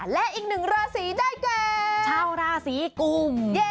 และอีกหนึ่งราศีได้แก่ชาวราศีกุม